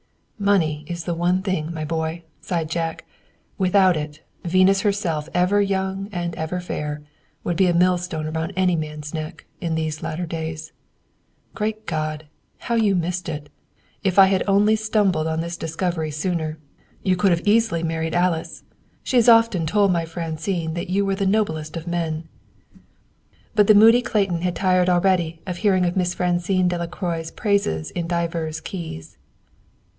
"Money is the one thing, my boy," sighed Jack. "Without it, Venus herself, ever young and ever fair, would be a millstone around any man's neck, in these later days. Great God! How you missed it! If I had only stumbled on this discovery sooner. You could have antedated Ferris' crafty game. "You could have easily married Alice. She has often told my Francine that you were the noblest of men." But the moody Randall Clayton had tired already of hearing Miss Francine Delacroix's praises in divers keys.